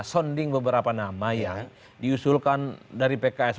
sonding beberapa nama yang diusulkan dari pks